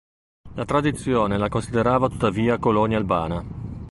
La tradizione la considerava tuttavia colonia albana.